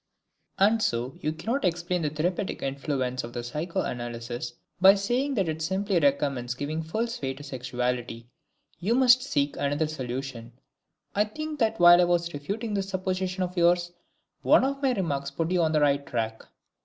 And so you cannot explain the therapeutic influence of psychoanalysis by saying that it simply recommends giving full sway to sexuality. You must seek another solution. I think that while I was refuting this supposition of yours, one of my remarks put you on the right track.